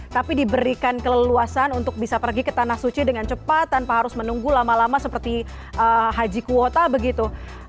tapi diberikan keleluasan untuk bisa pergi ke tanah suci dengan cepat tanpa harus menunggu lama lama seperti haji kuota begitu